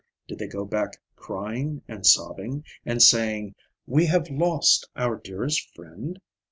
Did they go back crying and sobbing, and saying, "We have lost our dearest friend?"